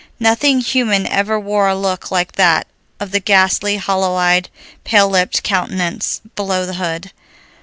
Nothing human ever wore a look like that of the ghastly, hollow eyed, pale lipped countenance below the hood.